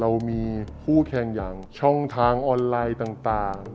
เรามีคู่แข่งอย่างช่องทางออนไลน์ต่าง